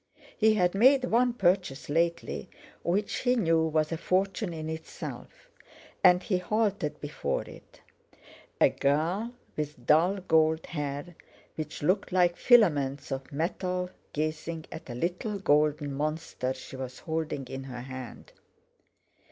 He had made one purchase lately which he knew was a fortune in itself, and he halted before it—a girl with dull gold hair which looked like filaments of metal gazing at a little golden monster she was holding in her hand.